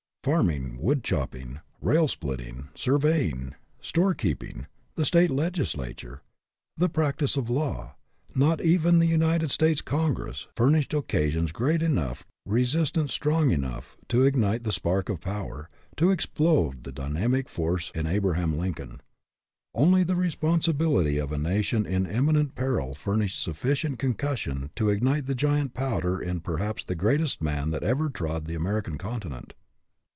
Farming, wood chopping, rail splitting, sur veying, storekeeping, the state legislature, the practice of law, not even the United States Congress, furnished occasions great enough, resistance strong enough, to ignite the spark of power, to explode the dynamic force in Abra ham Lincoln. Only the responsibility of a nation in imminent peril furnished sufficient concussion to ignite the giant powder in per haps the greatest man that ever trod the American Continent.